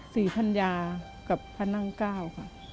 สี่ทันยากับพระนั่งเก้าค่ะ